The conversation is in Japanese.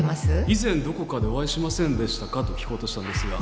以前どこかでお会いしませんでしたかと聞こうとしたんですが